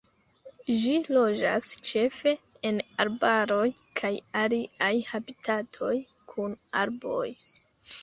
Ĝi loĝas ĉefe en arbaroj kaj aliaj habitatoj kun arboj.